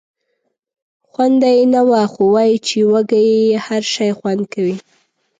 خونده یې نه وه خو وایي چې وږی یې هر شی خوند کوي.